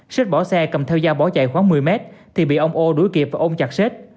xết bỏ xe cầm theo dao bỏ chạy khoảng một mươi mét thì bị ông âu đuổi kịp và ôm chặt xết